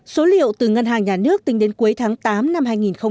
số liệu từ ngân hàng nhà nước tính đến cuối tháng tám năm hai nghìn một mươi chín